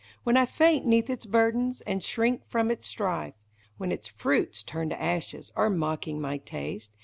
When I faint 'neath its burdens, and shrink from its strife. When its fruits, turned to ashes, are mocking my taste.